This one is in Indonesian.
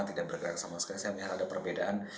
tidak bergerak sama sekali saya melihat ada perbedaan